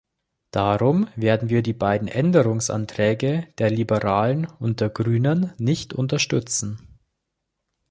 Darum werden wir die beiden Änderungsanträge der Liberalen und der Grünen nicht unterstützen.